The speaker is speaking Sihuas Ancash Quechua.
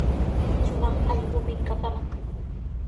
Shumaq allquumi kapaman.